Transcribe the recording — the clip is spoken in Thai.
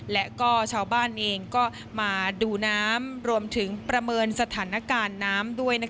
และก็ชาวบ้านเองก็มาดูน้ำรวมถึงประเมินสถานการณ์น้ำด้วย